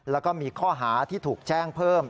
แล้วก็มีข้อหาที่ถูกแจ้งเพิ่ม